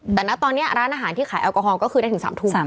แต่นะตอนนี้ร้านอาหารที่ขายแอลกอฮอลก็คือได้ถึง๓ทุ่ม